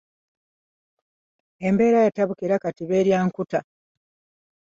Embeera yatabuka era kati beerya nkuta.